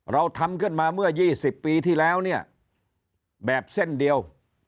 เราทำขึ้นมาเมื่อ๒๐ปีที่แล้วเนี่ยแบบเส้นเดียว